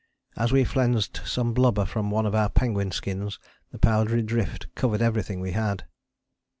As we flensed some blubber from one of our penguin skins the powdery drift covered everything we had.